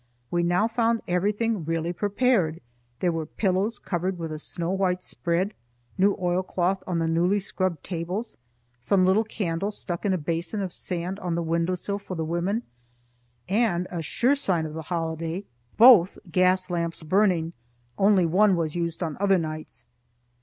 We now found everything really prepared; there were the pillows covered with a snow white spread, new oilcloth on the newly scrubbed tables, some little candles stuck in a basin of sand on the window sill for the women, and a sure sign of a holiday both gas lamps burning. Only one was used on other nights.